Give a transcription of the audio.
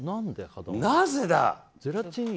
なぜだ！